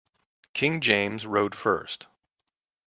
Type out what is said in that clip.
King James rode first.